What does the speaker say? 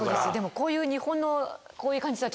こういう日本のこういう感じとは。